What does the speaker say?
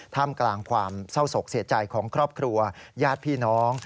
ท่ามกลางความเศร้าศกเสียใจของครอบครัวญาติพี่น้อง